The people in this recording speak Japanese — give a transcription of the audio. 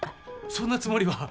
そんなつもりは。